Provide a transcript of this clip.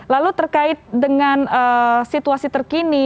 lalu terkait dengan situasi terkini